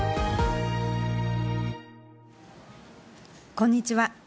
こんにちは。